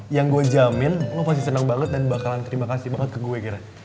yang gue jamin lo pasti senang banget dan bakalan terima kasih banget ke gue kira kira